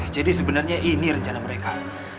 jadi sebenarnya ini rencana mereka